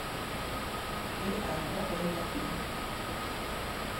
É algo ben obvio.